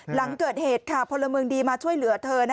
หลังเกิดเหตุค่ะพลเมืองดีมาช่วยเหลือเธอ